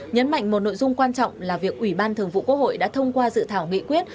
nhấn mạnh một nội dung quan trọng là việc ủy ban thường vụ quốc hội đã thông qua dự thảo nghị quyết